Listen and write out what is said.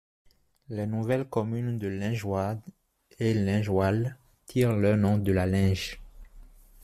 Les nouvelles communes de Lingewaard et Lingewaal tirent leur nom de la Linge.